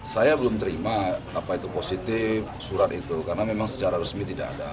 saya belum terima apa itu positif surat itu karena memang secara resmi tidak ada